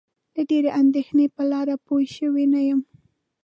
له ډېرې اندېښنې په لاره پوی شوی نه یم.